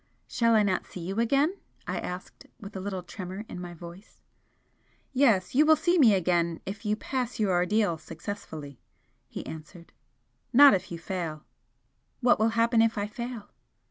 "Shall I not see you again?" I asked, with a little tremor in my voice. "Yes you will see me again if you pass your ordeal successfully" he answered "Not if you fail." "What will happen if I fail?"